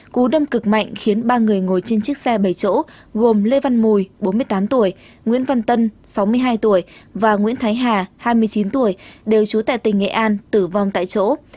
cú đâm cực mạnh khiến ba người ngồi trên chiếc xe bảy chỗ gồm lê văn mùi bốn mươi tám tuổi nguyễn văn tân sáu mươi hai tuổi và nguyễn thái hà hai mươi chín tuổi đều trú tại tỉnh nghệ an tử vong tại chỗ